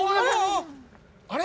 あれ？